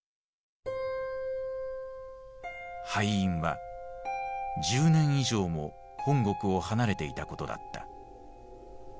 敗因は１０年以上も本国を離れていたことだった。